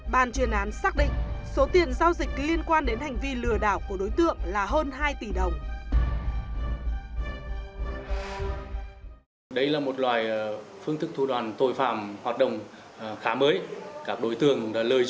bàn chuyên án xác định số tiền giao dịch liên quan đến hành vi lừa đảo của đối tượng là hơn hai tỷ đồng